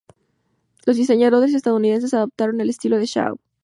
Los diseñadores estadounidenses, adaptaron el estilo de Shaw.